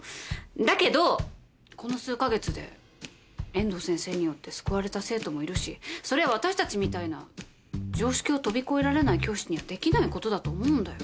だけどこの数カ月で遠藤先生によって救われた生徒もいるしそれは私たちみたいな常識を飛び越えられない教師にはできないことだと思うんだよ。